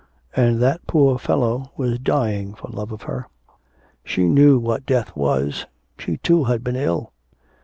and that poor fellow was dying for love of her! She knew what death was; she too had been ill.